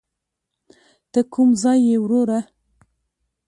ته کوم ځای یې وروره.